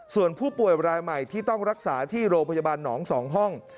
ส่วนผู้ป่วยรายใหม่ที่ต้องรักษาที่โรงพยาบาลหนอง๒ห้อง